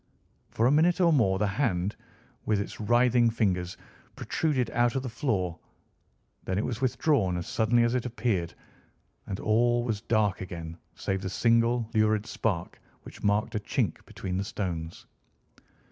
For a minute or more the hand, with its writhing fingers, protruded out of the floor. Then it was withdrawn as suddenly as it appeared, and all was dark again save the single lurid spark which marked a chink between the stones.